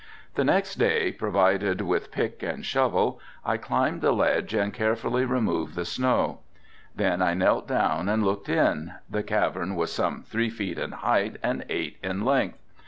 The next day, provided with pick and shovel, I climbed the ledge and carefully removed the snow. Then I knelt down and looked in, the cavern was some three feet in height and eight in length.